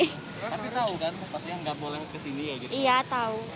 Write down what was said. tapi tau kan pasnya gak boleh kesini ya gitu